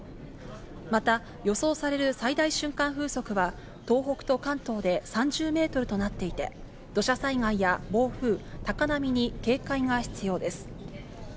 また、予想される最大瞬間風速は、東北と関東で３０メートルとなっていて、土砂災害や暴風、高波に警戒が必要です。